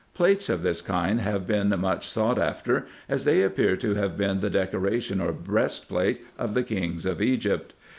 Plates of this kind have been much sought after, as they appear to have been the decoration or breastplate of the kings of Egypt.